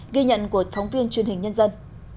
ghi nhận của thống viên truyền hình nhân dân